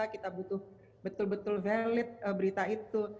kita butuh betul betul valid berita itu